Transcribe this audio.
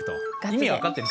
意味分かってる？